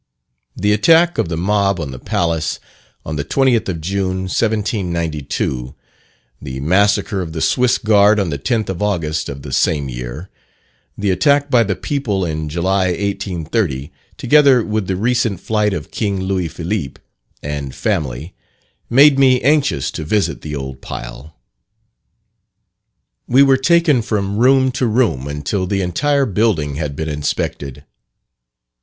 The attack of the mob on the palace, on the 20th of June, 1792, the massacre of the Swiss guard on the 10th of August of the same year, the attack by the people in July 1830, together with the recent flight of king Louis Philippe and family, made me anxious to visit the old pile. We were taken from room to room, until the entire building had been inspected.